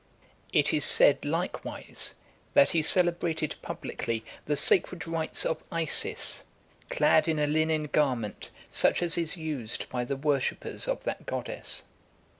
It is said likewise that he celebrated publicly the sacred rites of Isis , clad in a linen garment, such as is used by the worshippers of that goddess.